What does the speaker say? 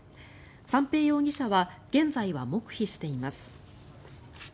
三瓶容疑者は現在は黙秘しています。